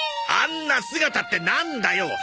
あんな姿ってなんだよ！